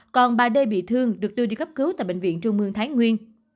còn bà đê bị thương được đưa đi cấp cứu tại bệnh viện trung mương thái nguyên